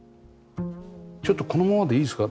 ちょっとこのままでいいですか？